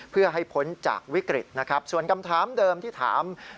เพื่อให้พ้นจากวิกฤตนะครับส่วนคำถามเดิมที่ถาม